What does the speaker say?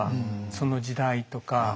その時代とか。